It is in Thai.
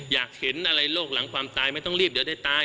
อยากเห็นอะไรโรคหลังความตายไม่ต้องรีบเดี๋ยวได้ตาย